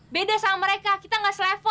beda sama mereka kita gak selevel